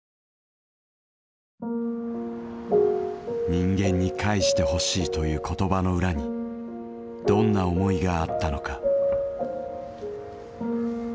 「人間に返してほしい」という言葉の裏にどんな思いがあったのか。